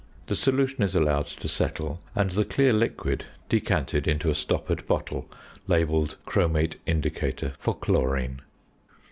The solution is allowed to settle, and the clear liquid decanted into a stoppered bottle labelled "chromate indicator for chlorine."